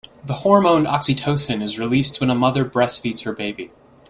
The hormone oxytocin is released when a mother breastfeeds her baby.